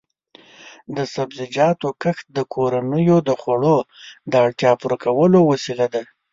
د سبزیجاتو کښت د کورنیو د خوړو د اړتیا پوره کولو وسیله ده.